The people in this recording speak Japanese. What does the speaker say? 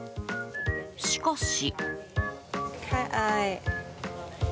しかし。